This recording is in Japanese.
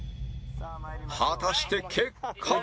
果たして結果は？